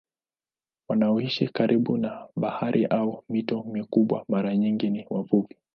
Wanaoishi karibu na bahari au mito mikubwa mara nyingi ni wavuvi.